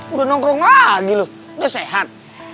udah nongkrong lagi loh udah sehat